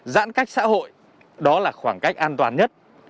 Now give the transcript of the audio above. giãn cách xã hội đó là khoảng cách an toàn nhất